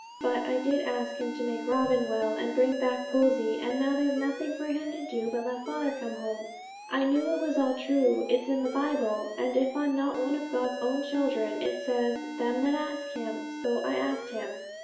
But I did ask Him to make Robin well, and bring back Posy; and now there's nothing for Him to do but let father come home. I knew it was all true; it's in the Bible, and if I'm not one of God's own children, it says, "Them that ask Him." So I asked Him.'